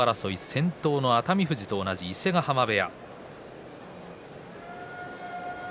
先頭の熱海富士と同じ伊勢ヶ濱部屋。